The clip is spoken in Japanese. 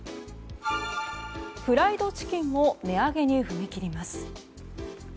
フライドチキンも値上げに踏み切ります。